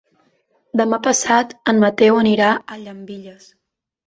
Demà passat en Mateu anirà a Llambilles.